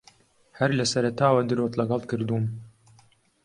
ھەر لە سەرەتاوە درۆت لەگەڵ کردووم.